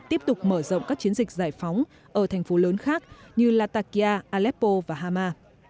tiếp tục mở rộng các chiến dịch giải phóng ở thành phố lớn khác như lattakia aleppo và hama